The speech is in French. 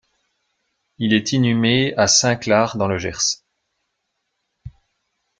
Il est inhumé à Saint-Clar dans le Gers.